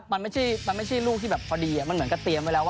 มันไม่ใช่ลูกที่แบบพอดีมันเหมือนกับเตรียมไว้แล้ว